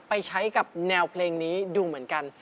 ไปใช้กับแนวเพลงนี้ดูเหมือนกัน